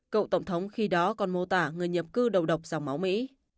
cựu tổng thống khi đó còn mô tả người nhập cư đầu độc dòng máu mỹ